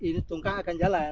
maka kaki ini tungkah akan jalan